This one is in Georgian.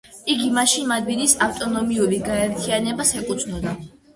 იგი მაშინ მადრიდის ავტონომიური გაერთიანებას ეკუთვნოდა.